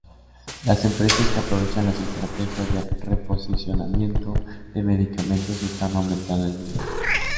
Las empresas que aprovechan las estrategias de reposicionamiento de medicamentos están aumentando en número.